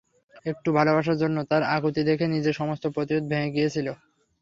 একটু ভালোবাসার জন্য তার আকুতি দেখে নিজের সমস্ত প্রতিরোধ ভেঙে গিয়েছিল।